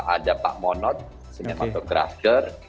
ada pak monod seniman pematung grafter